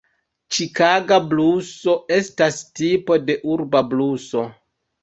Ĉikaga bluso estas tipo de urba bluso.